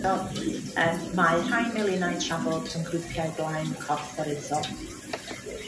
Mae rhai melinau trafod yn grwpiau blaen corfforaethol.